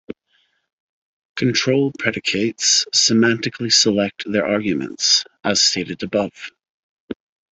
Control predicates semantically select their arguments, as stated above.